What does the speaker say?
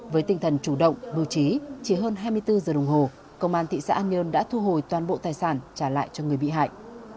với tinh thần chủ động bố trí chỉ hơn hai mươi bốn giờ đồng hồ công an thị xã an nhơn đã thu hồi toàn bộ tài sản trả lại cho người bị hại